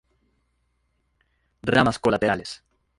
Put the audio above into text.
Ramas colaterales.